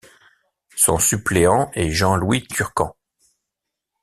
Son suppléant est Jean-Louis Turcan.